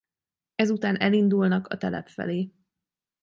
Ezután elindulnak a telep felé.